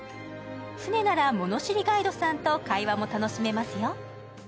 舟なら物知りガイドさんと会話も楽しめますよ。